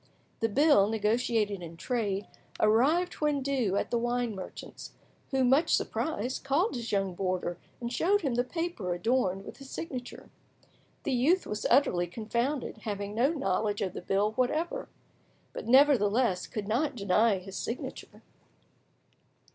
The bill, negotiated in trade, arrived when due at the wine merchant's, who, much surprised, called his young boarder and showed him the paper adorned with his signature. The youth was utterly confounded, having no knowledge of the bill whatever, but nevertheless could not deny his signature.